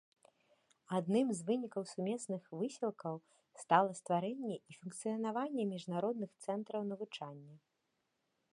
Адным з вынікаў сумесных высілкаў стала стварэнне і функцыянаванне міжнародных цэнтраў навучання.